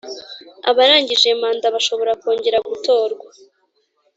Abarangije manda bashobora kongera gutorwa